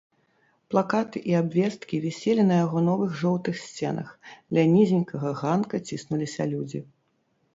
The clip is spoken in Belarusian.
Плакаты і абвесткі віселі на яго новых жоўтых сценах, ля нізенькага ганка ціснуліся людзі.